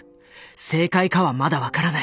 正解かはまだ分からない。